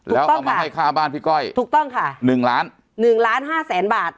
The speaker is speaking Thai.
แล้วเอามาให้ค่าบ้านพี่ก้อยถูกต้องค่ะหนึ่งล้านหนึ่งล้านห้าแสนบาท